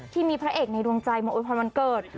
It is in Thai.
ที่มีพระเอกในดวงใจโอ๋อุ๊ยพรวรรณเกิด